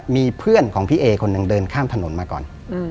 มีเพื่อนของพี่เอคนหนึ่งเดินข้ามถนนมาก่อน